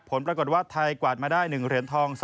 ผลปรากฏว่าไทยกวาดมาได้๑เหรียญทอง